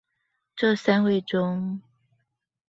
這三位中